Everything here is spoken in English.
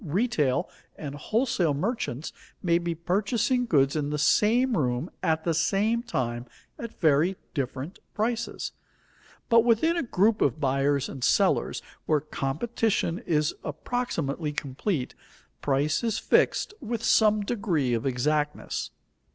Retail and wholesale merchants may be purchasing goods in the same room at the same time at very different prices. But within a group of buyers and sellers where competition is approximately complete, price is fixed with some degree of exactness.